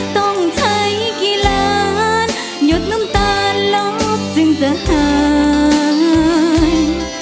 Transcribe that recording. ต้องใช้กี่ล้านหยุดน้ำตาลบจึงจะหาย